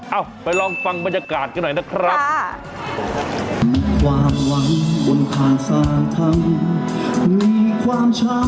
เอาไปลองฟังบรรยากาศกันหน่อยนะครับ